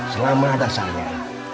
selama ada sabar